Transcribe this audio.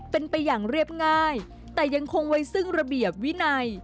เป็นไปอย่างเรียบง่ายแต่ยังคงไว้ซึ่งระเบียบวินัย